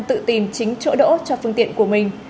tự tìm chính chỗ đỗ cho phương tiện của mình